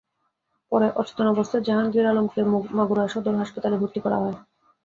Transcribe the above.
পরে অচেতন অবস্থায় জাহাঙ্গীর আলমকে মাগুরা সদর হাসপাতালে ভর্তি করা হয়।